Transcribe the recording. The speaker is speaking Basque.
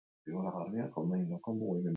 Kaleratzeak datozen bi urteetan egingo dituzte.